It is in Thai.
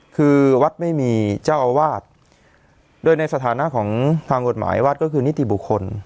คือวัดไม่มีเจ้าอาวาสโดยในสถานะของทางกฎหมายวัดก็คือนิติบุคคล